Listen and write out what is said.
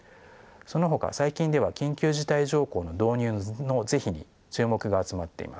そのほか最近では緊急事態条項の導入の是非に注目が集まっています。